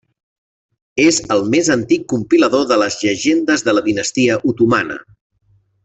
És el més antic compilador de les llegendes de la dinastia otomana.